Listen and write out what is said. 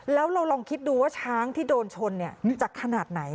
แล้วเราลองคิดดูว่าช้างที่โดนชนจะขนาดไหน